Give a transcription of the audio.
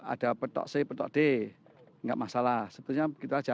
ada petok c petok d tidak masalah sebetulnya begitu saja